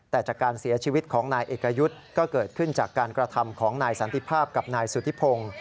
แต่จากการเสียชีวิตของนายเอกยุทธ์ก็เกิดขึ้นจากการกระทำของนายสันติภาพกับนายสุธิพงศ์